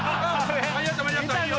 間に合った間に合った。